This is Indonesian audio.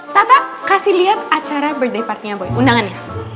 tata kasih lihat acara birthday partynya boy undangannya